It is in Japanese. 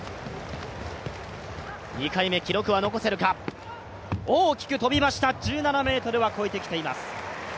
２回目、記録は残せるか、大きく跳びました、１７ｍは越えてきています。